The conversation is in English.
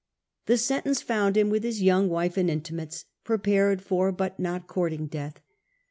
The sentence found him with his young wife and intimates, prepared for but not courting death.